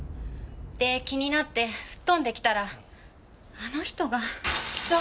で気になって吹っ飛んできたらあの人が。